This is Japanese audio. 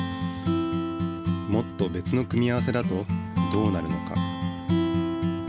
もっと別の組み合わせだとどうなるのか。